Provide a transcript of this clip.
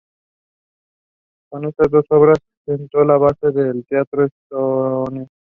Con estas dos obras sentó las bases del teatro estonio.